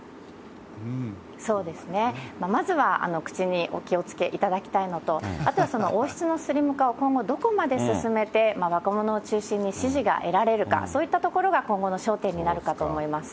そうですね、まずは口にお気をつけいただきたいのと、あとは王室のスリム化を今後どこまで進めて、若者を中心に支持が得られるか、そういったところが今後の焦点になるかと思います。